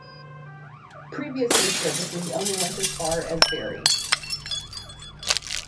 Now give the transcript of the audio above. Previously services only went as far as Barry.